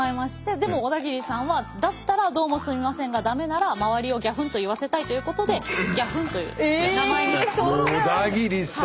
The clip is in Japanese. でも小田切さんはだったらドーモスミマセンが駄目なら周りをギャフンと言わせたいということでギャフンという名前にしたところ。